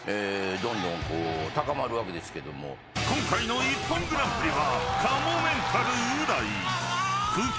［今回の『ＩＰＰＯＮグランプリ』は］